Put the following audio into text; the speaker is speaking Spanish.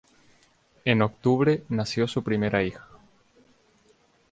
En octubre nació su primera hija.